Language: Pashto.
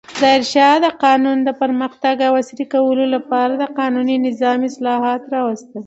ظاهرشاه د هېواد د پرمختګ او عصري کولو لپاره د قانوني نظام اصلاحات راوستل.